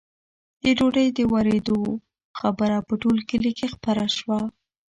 د ډوډۍ د ورېدو خبره په ټول کلي کې خپره شوه.